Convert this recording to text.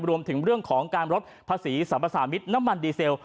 รวมถึงเรื่องของการลดภาษีสรรพสามิตรน้ำมันดีเซล